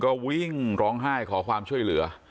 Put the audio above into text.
ก็วิ่งร้องไห้ขอความช่วยเหลือ